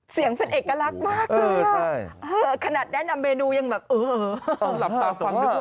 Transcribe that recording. เสียงเป็นเอกลักษณ์มากเลยค่ะขนาดแนะนำเมนูยังแบบเออ